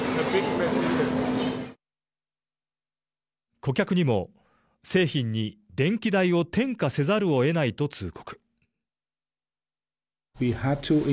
顧客にも製品に電気代を転嫁せざるをえないと通告。